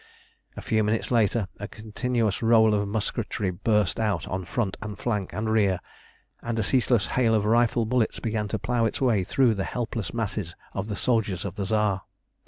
A few minutes later a continuous roll of musketry burst out on front, and flank, and rear, and a ceaseless hail of rifle bullets began to plough its way through the helpless masses of the soldiers of the Tsar.